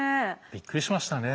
びっくりしましたね。